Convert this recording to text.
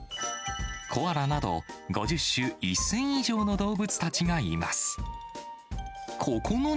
コアラなど５０種１０００以上の動物たちがいます。